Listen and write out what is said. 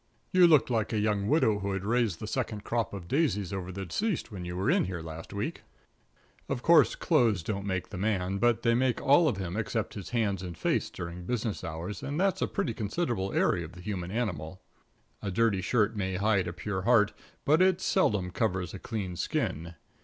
You looked like a young widow who had raised the second crop of daisies over the deceased when you were in here last week. Of course, clothes don't make the man, but they make all of him except his hands and face during business hours, and that's a pretty considerable area of the human animal. A dirty shirt may hide a pure heart, but it seldom covers a clean skin.